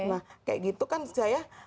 nah kayak gitu kan saya